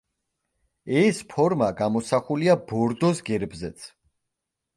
ეს ფორმა გამოსახულია ბორდოს გერბზეც.